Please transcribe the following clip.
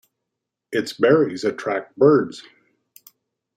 Its berries attract birds.